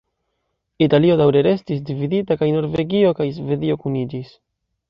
Italio daŭre restis dividita kaj Norvegio kaj Svedio kuniĝis.